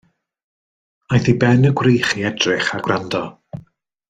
Aeth i ben y gwrych i edrych a gwrando.